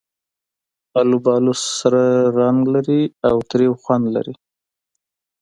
آلوبالو سره رنګ لري او تریو خوند لري.